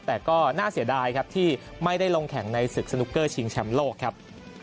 แต่ก็น่าเสียดายที่ไม่ได้ลงแข่งสนุกเกอร์ชิงชัมโลกครับ